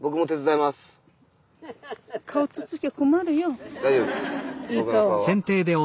いい顔。